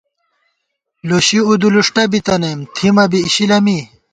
لُشی اُودُولُݭٹہ بی تنیم، تھِمہ بی اِشِلہ می